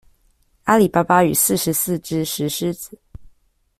阿里巴巴與四十四隻石獅子